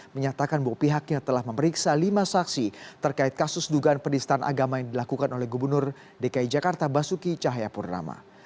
menyatakan bahwa pihaknya telah memeriksa lima saksi terkait kasus dugaan penistaan agama yang dilakukan oleh gubernur dki jakarta basuki cahayapurnama